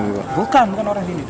bukan bukan orang kesini